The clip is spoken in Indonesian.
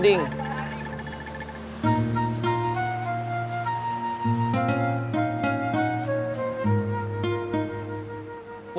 terima kasih bu